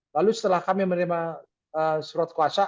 lalu setelah kami menerima surat kuasa